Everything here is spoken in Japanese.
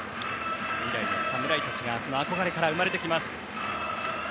未来の侍たちがその憧れから生まれてきます。